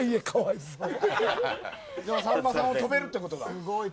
さんまさんは跳べるってことか。